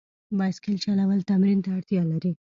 بایسکل چلول تمرین ته اړتیا لري.